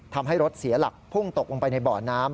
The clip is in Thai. ทำให้รถเสียหลักพุ่งตกลงไปในบ่อน้ำ